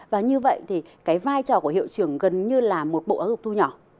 và như vậy thì cái vai trò của hiệu trưởng gần như là một bộ giáo dục thu nhỏ